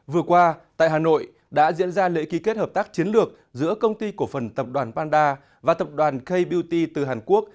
vừa qua tại hà nội đã diễn ra lễ ký kết hợp tác chiến lược giữa công ty cổ phần tập đoàn panda và tập đoàn k beauty từ hàn quốc